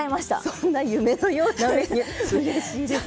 そんな夢のようなメニューうれしいです。